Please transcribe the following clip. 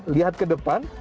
lihat ke depan